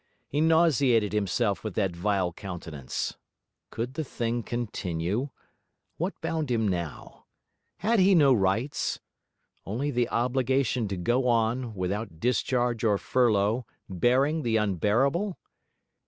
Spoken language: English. He nauseated himself with that vile countenance. Could the thing continue? What bound him now? Had he no rights? only the obligation to go on, without discharge or furlough, bearing the unbearable?